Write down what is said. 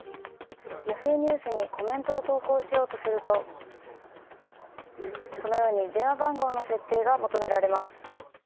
Ｙａｈｏｏ！ニュースにコメントを投稿しようとするとこのように電話番号の設定が求められます。